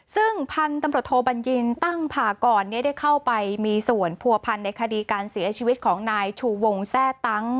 ซึ่งพันธุ์ตำรวจโทบัญญินตั้งพากรได้เข้าไปมีส่วนผัวพันธ์ในคดีการเสียชีวิตของนายชูวงแทร่ตั้ง